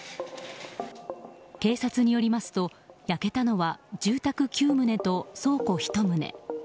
警察によりますと焼けたのは住宅９棟と倉庫１棟。